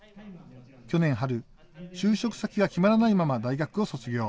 去年春、就職先が決まらないまま大学を卒業。